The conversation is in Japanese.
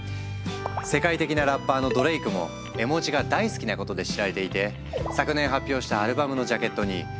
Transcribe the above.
世界的なラッパーのドレイクも絵文字が大好きなことで知られていて昨年発表したアルバムのジャケットに絵文字を採用。